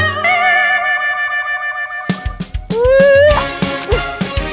di luar luar luar